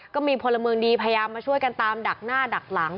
ก็มีพลเมืองดีพยายามมาช่วยกันตามดักหน้าดักหลัง